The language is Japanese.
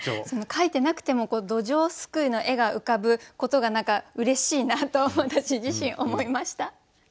書いてなくてもどじょうすくいの絵が浮かぶことが何かうれしいなと私自身思いました。